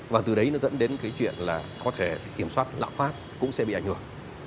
và từ đấy nó dẫn đến cái chuyện là có thể kiểm soát lạm phát cũng sẽ bị ảnh hưởng